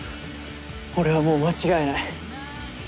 俺はもう間違えない。